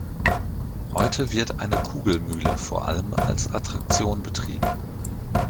Heute wird eine Kugelmühle vor allem als Attraktion betrieben.